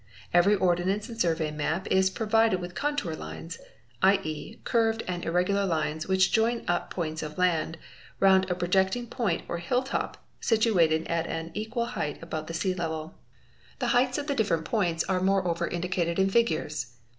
Every ordnance and survey map is pro vided with contour lines, ¢.e., curved and irregular lines which join up points of land, round a projecting point or hilltop, situated at an equal — height above sea level. The heights of the different points are moreover indicated in figures.